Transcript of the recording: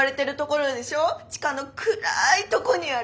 地下の暗いとこにある。